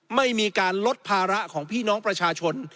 ไม่มีการลดภาระของพี่น้องประชาชน